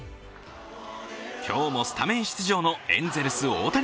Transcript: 今日もスタメン出場のエンゼルス・大谷。